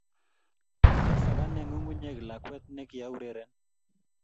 Kiasakanen ng'ung'unyek lakwet ni kiaureren